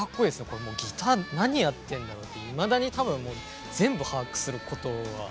これギター何やってるんだろうっていまだに多分全部把握することは。